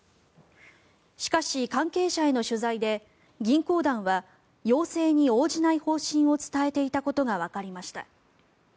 しかし、関係者への取材で銀行団は要請に応じない方針を伝えていたことがわかりました。